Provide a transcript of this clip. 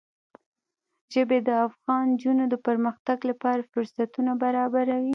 ژبې د افغان نجونو د پرمختګ لپاره فرصتونه برابروي.